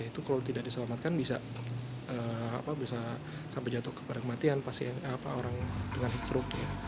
itu kalau tidak diselamatkan bisa sampai jatuh ke perangmatian orang dengan heat stroke